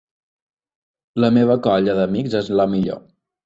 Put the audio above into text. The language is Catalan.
La meva colla d'amics és la millor.